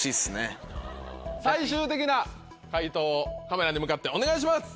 最終的な回答をカメラに向かってお願いします。